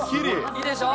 いいでしょう？